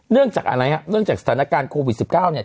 เรื่องจากอะไรฮะเนื่องจากสถานการณ์โควิด๑๙เนี่ย